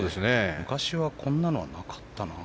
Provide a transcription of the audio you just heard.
昔は、こんなのはなかったな。